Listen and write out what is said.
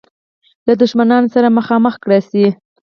له دښمنانو سره مخامخ کړه شي.